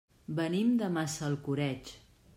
Venim de Massalcoreig.